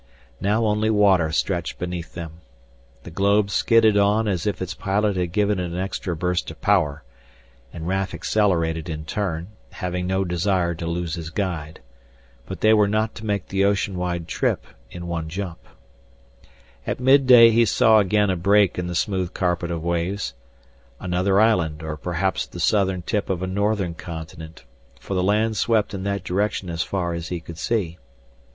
Now only water stretched beneath them. The globe skidded on as if its pilot had given it an extra burst of power, and Raf accelerated in turn, having no desire to lose his guide. But they were not to make the ocean wide trip in one jump. At midday he saw again a break in the smooth carpet of waves, another island, or perhaps the southern tip of a northern continent for the land swept in that direction as far as he could see.